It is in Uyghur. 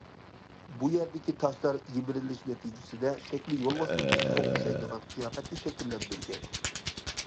بۇ يەردىكى تاشلار يىمىرىلىش نەتىجىسىدە شەكلى يولۋاسنىڭ بېشىغا ئوخشايدىغان قىياپەتنى شەكىللەندۈرگەن.